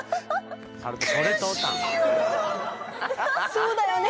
そうだよね。